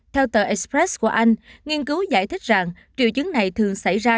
theo tờ express của anh nghiên cứu giải thích rằng triệu chứng này thường xảy ra